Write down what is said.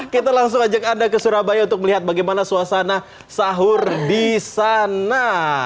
kita langsung ajak anda ke surabaya untuk melihat bagaimana suasana sahur di sana